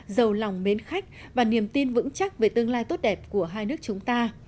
giàu lòng mến khách và niềm tin vững chắc về tương lai tốt đẹp của hai nước chúng ta